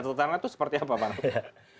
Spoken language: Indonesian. catatan itu seperti apa pak narto